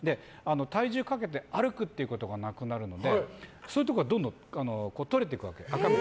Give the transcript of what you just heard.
体重をかけて歩くっていうことがなくなるのでそういうとこがどんどんとれていくわけ。